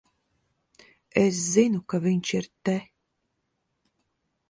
Es zinu, ka viņš ir te.